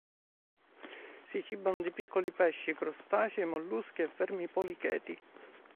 Si cibano di piccoli pesci, crostacei, molluschi e vermi policheti.